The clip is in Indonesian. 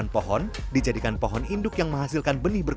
empat puluh delapan pohon dijadikan pohon induk yang menghasilkan benih berkembang